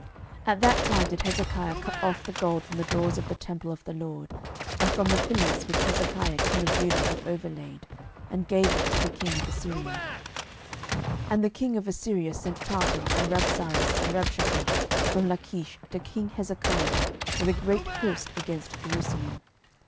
12:018:016 At that time did Hezekiah cut off the gold from the doors of the temple of the LORD, and from the pillars which Hezekiah king of Judah had overlaid, and gave it to the king of Assyria. 12:018:017 And the king of Assyria sent Tartan and Rabsaris and Rabshakeh from Lachish to king Hezekiah with a great host against Jerusalem.